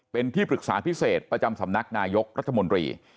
เป็นที่ปรึกษาพิเศษประจำสำนักนายกรัฐมนตรี